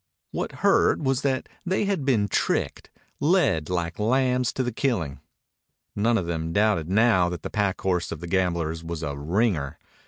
What hurt was that they had been tricked, led like lambs to the killing. None of them doubted now that the pack horse of the gamblers was a "ringer."